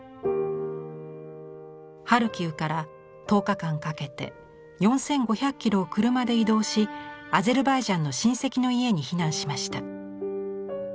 ハルキウから１０日間かけて４５００キロを車で移動しアゼルバイジャンの親戚の家に避難しました。